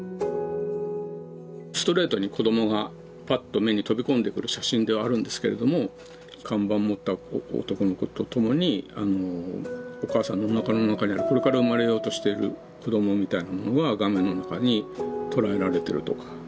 ストレートに子どもがパッと目に飛び込んでくる写真ではあるんですけれども看板持った男の子と共にお母さんのおなかの中にいるこれから生まれようとしている子どもみたいなものが画面の中に捉えられてるとか。